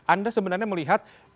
anda sebenarnya melihat